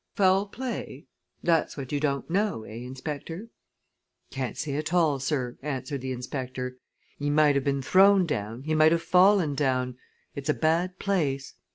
Foul play? that's what you don't know, eh, inspector?" "Can't say at all, sir," answered the inspector. "He might have been thrown down, he might have fallen down it's a bad place.